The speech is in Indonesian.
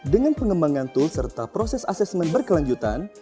dengan pengembangan tools serta proses assessment berkelanjutan